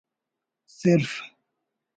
صرف